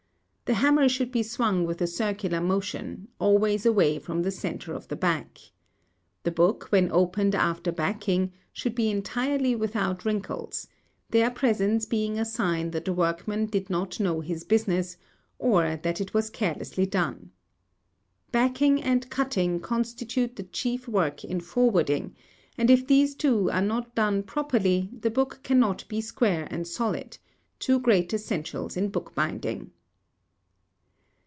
The hammer should be swung with a circular motion, always away from the centre of the back. The book, when opened after backing, should be entirely without wrinkles; their presence being a sign that the workman did not know his business, or that it was carelessly done. Backing and cutting constitute the chief work in forwarding, and if these two are not done properly the book cannot be square and solid—two great essentials in bookbinding.